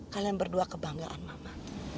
kalian berdua kebanggaan mama